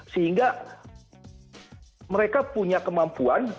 sehingga mereka punya kemampuan